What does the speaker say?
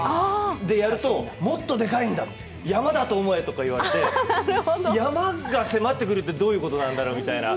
やると、もっとでかいんだ、山だと思えと言われて山が迫ってくるってどういうことなんだろうって。